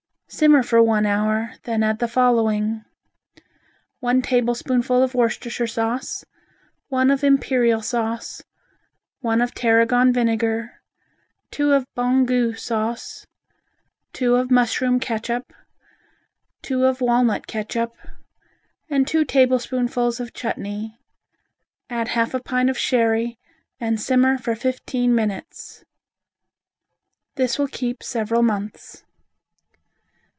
Simmer for one hour, then add the following: One tablespoonful of Worcestershire sauce, one of Imperial sauce, one of Tarragon vinegar, two of Bon Gout sauce, two of mushroom catsup, two of walnut catsup and two tablespoonfuls of chutney, add half a pint of sherry and simmer for fifteen minutes. This will keep several months.